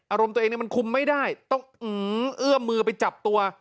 อารมณ์ตัวเองมันคุมไม่ได้ต้องเอื้อมมือไปจับตัว